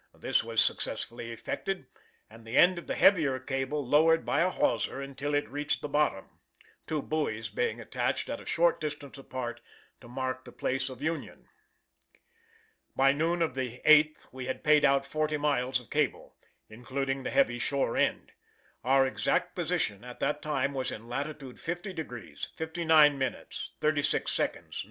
This was successfully effected, and the end of the heavier cable lowered by a hawser until it reached the bottom, two buoys being attached at a short distance apart to mark the place of union. By noon of the 8th we had paid out 40 miles of cable, including the heavy shore end. Our exact position at the time was in lat. 50° 59´ 36´´ N.